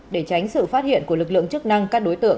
để tránh sự phát hiện của lực lượng chức năng các đối tượng